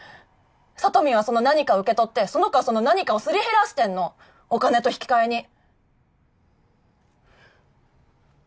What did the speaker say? サトミンはその何かを受け取ってその子はその何かをすり減らしてんのお金と引き換えに。